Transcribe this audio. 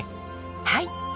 はい。